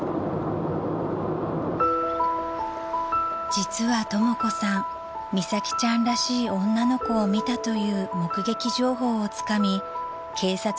［実はとも子さん美咲ちゃんらしい女の子を見たという目撃情報をつかみ警察に情報提供］